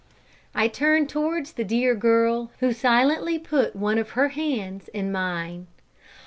I turned towards the dear girl, who silently put one of her hands in mine.